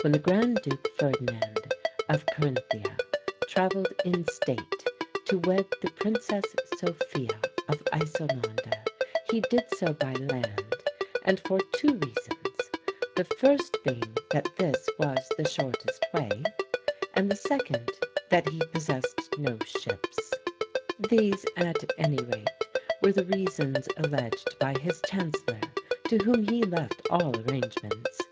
When the Grand Duke Ferdinand of Carinthia travelled in state to wed the Princess Sophia of Ysselmonde, he did so by land, and for two reasons; the first being that this was the shortest way, and the second that he possessed no ships. These, at any rate, were the reasons alleged by his Chancellor, to whom he left all arrangements.